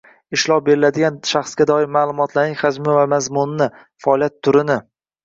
ishlov beriladigan shaxsga doir ma’lumotlarning hajmi va mazmunini, faoliyat turini